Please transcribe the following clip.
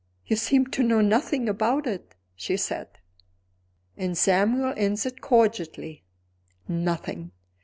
"You seem to know nothing about it," she said. And Samuel answered, cordially, "Nothing!"